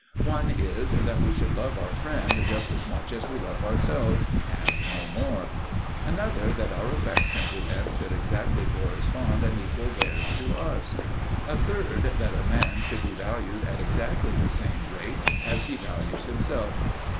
One is _that we should love our friend just as much as we love ourselves, and no more; another, that our affection to them should exactly correspond and equal theirs to us; a third, that a man should be valued at exactly the same rate as he values himself_.